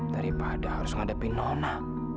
daripada harus ngadepin nona